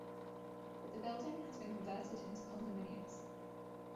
The building has been converted into condominiums.